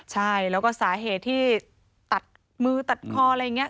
ใช่แล้วก็สาเหตุที่ตัดมือตัดคออะไรอย่างนี้